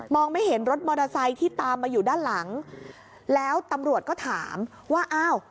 ไม่เห็นรถมอเตอร์ไซค์ที่ตามมาอยู่ด้านหลังแล้วตำรวจก็ถามว่าอ้าว